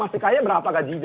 masih kaya berapa gajinya